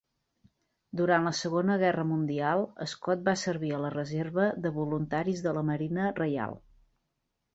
Durant la Segona Guerra Mundial, Scott va servir a la Reserva de Voluntaris de la Marina Reial.